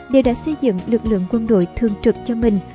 đều đã xây dựng lực lượng quân đội thường trực cho mình